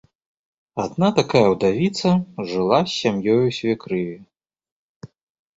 Адна такая ўдавіца жыла з сям'ёю свекрыві.